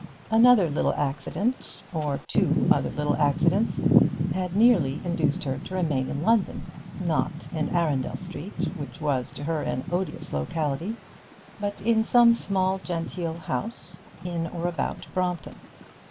Another little accident, or two other little accidents, had nearly induced her to remain in London not in Arundel Street, which was to her an odious locality, but in some small genteel house in or about Brompton.